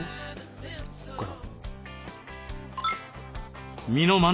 ここから。